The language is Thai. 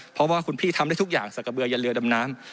เพราะว่าคุณพี่ทำได้ทุกอย่างใส่กระเบือยันเรือดำน้ำ